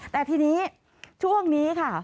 แต่ทีนี้ช่วงนี้ค่ะ